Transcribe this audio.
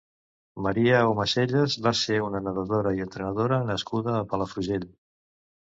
Maria Aumacellas va ser una nedadora i entrenadora nascuda a Palafrugell.